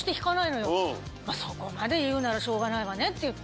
そこまで言うならしょうがないわねって言って